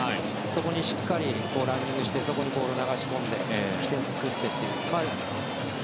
そこにしっかりランニングしてボールを流し込んで起点を作ってという。